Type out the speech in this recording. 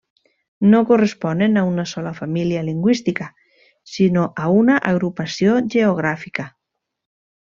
No corresponen a una sola família lingüística sinó a una agrupació geogràfica.